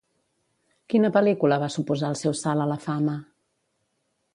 Quina pel·lícula va suposar el seu salt a la fama?